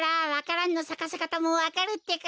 蘭のさかせかたもわかるってか？